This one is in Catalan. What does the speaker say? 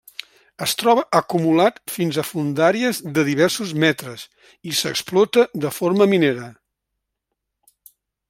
Es troba acumulat fins a fondàries de diversos metres i s'explota de forma minera.